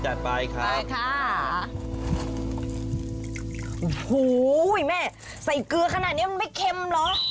จัดไปครับใส่เกลือขนาดนี้จะไม่เค็มหรอ